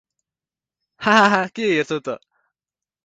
हाहाहा के हेर्छौ त?